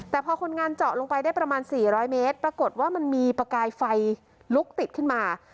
แต่พอคนงานเจาะลงไปได้ประมาณ๔๐๐เมตรปรากฏว่ามันมีประกายไฟลุกติดขึ้นมา